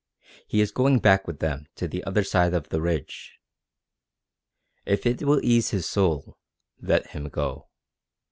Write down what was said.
He is going back with them to the other side of the ridge. If it will ease his soul, let him go."